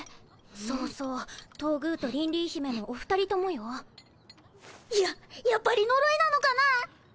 そうそう東宮と鈴麗公主のお２人ともよ。ややっぱり呪いなのかな？